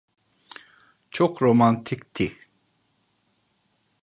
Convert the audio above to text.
Çok romantikti.